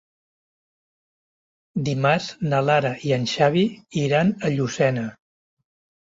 Dimarts na Lara i en Xavi iran a Llucena.